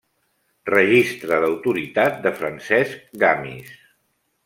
Registre d'autoritat de Francesc Gamis.